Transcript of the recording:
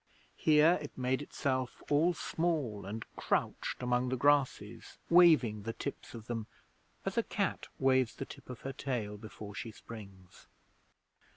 Here it made itself all small and crouched among the grasses, waving the tips of them as a cat waves the tip of her tail before she springs.